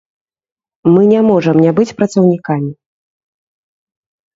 Мы не можам не быць працаўнікамі.